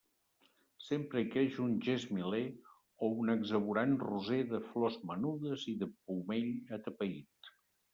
Sempre hi creix un gesmiler o un exuberant roser de flors menudes i de pomell atapeït.